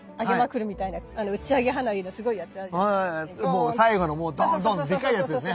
もう最後のドンドンってでかいやつですね。